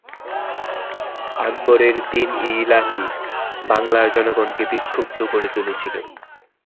আকবরের দ্বীন-ই-ইলাহী বাংলার জনগণকে বিক্ষুব্ধ করে তুলেছিল।